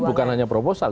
itu bukan hanya proposal